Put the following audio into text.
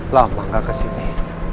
lama gak kesini